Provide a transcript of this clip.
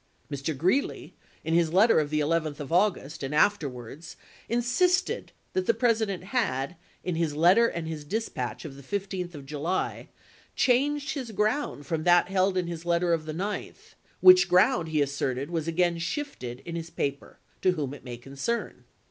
Ms. Mr. Greeley, in his letter of the 11th of August, and afterwards, insisted that the President had, in his letter and his dispatch of the 15th of July, changed his ground from that held in his letter of the 9th, which ground, he asserted, was again shifted in his paper " To whom it may concern."